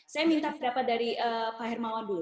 saya minta pendapat dari pak hermawan dulu